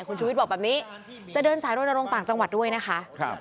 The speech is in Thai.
คุณชุวิตบอกแบบนี้จะเดินสายโรนโรงต่างจังหวัดด้วยนะคะ